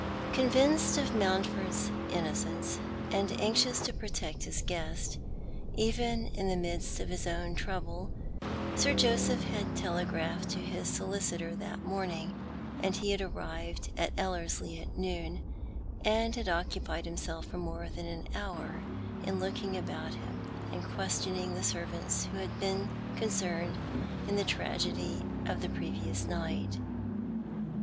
Convinced of Mountford's innocence, and anxious to protect his guest, even in the midst of his own trouble, Sir Jo^cpli had telegraphed to his solicitor that morning, and ho had arrived at Elierslio at noon, and bad occupied himself for more than an hour in looking about him, and questioning the servants who had been concerned in the tragedy of the previous night.